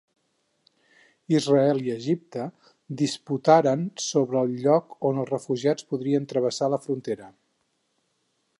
Israel i Egipte disputaren sobre el lloc on els refugiats podrien travessar la frontera.